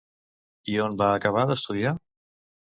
I on va acabar d'estudiar?